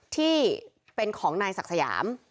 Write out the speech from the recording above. ที่เป็นของนายศักดิ์สยาม